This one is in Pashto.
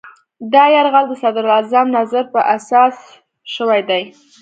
دا یرغل د صدراعظم نظر په اساس شوی دی.